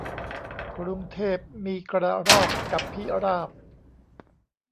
กรุงเทพมีกระรอกกับพิราบ